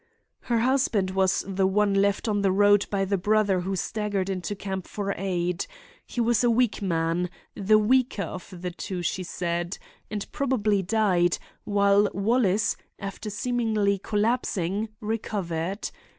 "Her husband was the one left on the road by the brother who staggered into camp for aid. He was a weak man—the weaker of the two she said—and probably died, while Wallace, after seemingly collapsing, recovered.